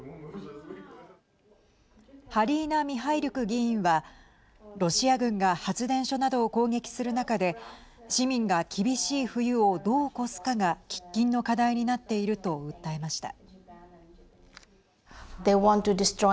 ハリーナ・ミハイリュク議員はロシア軍が発電所などを攻撃する中で市民が厳しい冬をどう越すかが喫緊の課題になっていると訴えました。